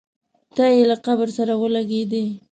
تی یې له قبر سره ولګېدی.